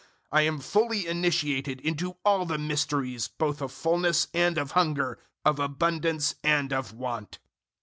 I am fully initiated into all the mysteries both of fulness and of hunger, of abundance and of want.